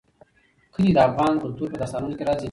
کلي د افغان کلتور په داستانونو کې راځي.